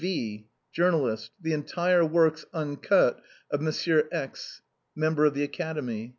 V , journalist, the entire works, un cut, of M. X , Member of the Academy.